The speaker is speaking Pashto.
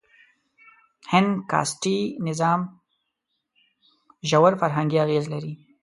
هند کاسټي نظام ژور فرهنګي اغېز لري.